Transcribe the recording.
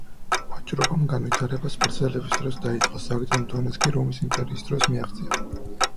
ვაჭრობამ განვითარება სპარსელების დროს დაიწყო, საგრძნობ დონეს კი რომის იმპერიის დროს მიაღწია.